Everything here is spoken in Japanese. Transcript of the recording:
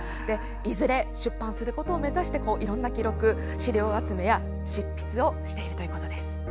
いずれ出版することを目指していろんな記録、資料集めや執筆をしているということです。